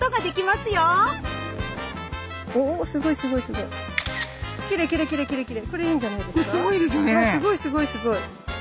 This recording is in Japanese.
すごいすごいすごい。